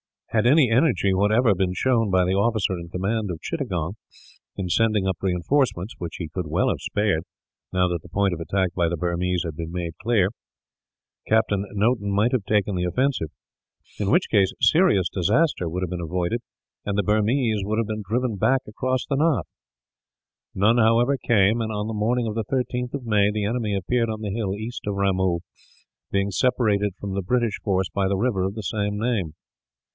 Had any energy, whatever, been shown by the officer in command of Chittagong, in sending up reinforcements which he could well have spared, now that the point of attack by the Burmese had been made clear Captain Noton might have taken the offensive, in which case serious disaster would have been avoided, and the Burmese would have been driven back across the Naaf. None, however, came and, on the morning of the 13th of May, the enemy appeared on the hill east of Ramoo, being separated from the British force by the river of the same name.